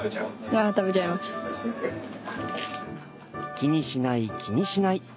気にしない気にしない。